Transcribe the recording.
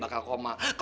bahkan mem prise